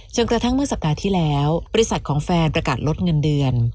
กระทั่งเมื่อสัปดาห์ที่แล้วบริษัทของแฟนประกาศลดเงินเดือน